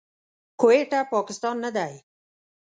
کويټه، پاکستان نه دی.